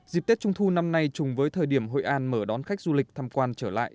dịp tết trung thu năm nay chung với thời điểm hội an mở đón khách du lịch tham quan trở lại